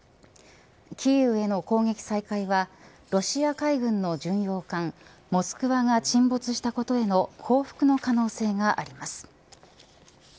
キーウへの攻撃再開はロシア海軍の巡洋艦モスクワが沈没したことへの報復の可能性があります。